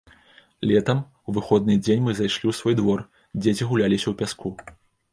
Летам, у выходны дзень мы зайшлі ў свой двор, дзеці гуляліся ў пяску.